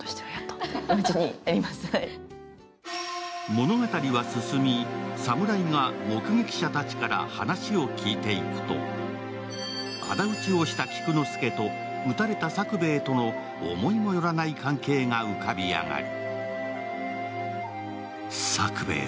物語は進み、侍が目撃者たちから話を聞いていくとあだ討ちをした菊之助と討たれた作兵衛との思いもよらない関係が浮かび上がる。